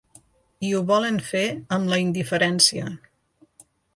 I ho volen fer amb la indiferència.